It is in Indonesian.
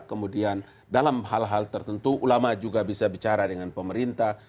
kemudian dalam hal hal tertentu ulama juga bisa bicara dengan pemerintah